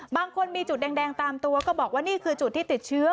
บางคนมีจุดแดงตามตัวก็บอกว่านี่คือจุดที่ติดเชื้อ